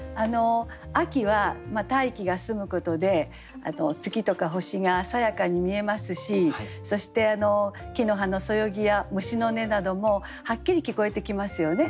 秋は大気が澄むことで月とか星がさやかに見えますしそして木の葉のそよぎや虫の音などもはっきり聞こえてきますよね。